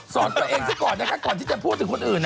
ตัวเองซะก่อนนะคะก่อนที่จะพูดถึงคนอื่น